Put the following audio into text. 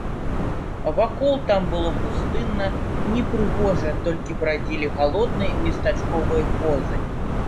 Вакол там было пустынна, непрыгожа, толькі брадзілі галодныя местачковыя козы.